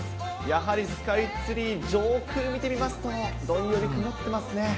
やはりスカイツリー、上空見てみますと、どんより曇ってますね。